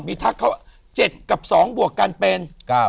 มีทักเขา๗กับ๒บวกกันเป็น๙